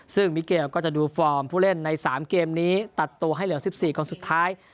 ซึ่งมิเกลก็จะดูฟอร์มผู้เล่นใน๓เกมนี้ตัดตัวให้เหลือ๑๔คนสุดท้าย